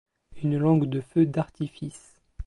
Une langue de feu d’artifice.